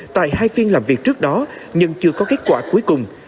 tại hai phiên làm việc trước đó nhưng chưa có kết quả cuối cùng